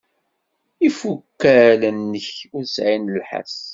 Ifukal-nnek ur sɛin llsas.